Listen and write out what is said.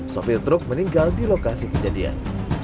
sopir truk meninggal di lokasi kejadian